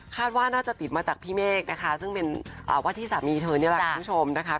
ว่าน่าจะติดมาจากพี่เมฆนะคะซึ่งเป็นว่าที่สามีเธอนี่แหละคุณผู้ชมนะคะ